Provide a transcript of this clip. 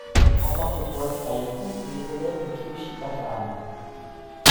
En tant que poète haïku il est élève de Kyoshi Takahama.